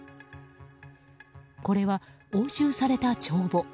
これは押収された帳簿。